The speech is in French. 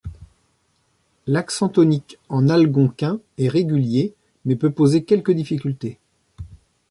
L'accent tonique en algonquin est régulier, mais peut poser quelques difficultés.